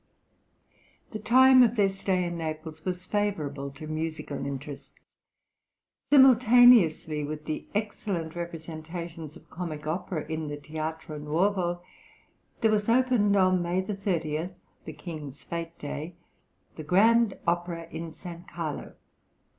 The time of their stay in Naples was favourable to musical interests. Simultaneously with the excellent representations of comic opera in the Teatro Nuovo, there was opened on May 30, the King's fête day, the Grand Opera in San Carlo, {THE ITALIAN TOUR.